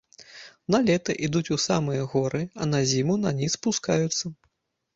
На лета ідуць у самыя горы, а на зіму на ніз спускаюцца.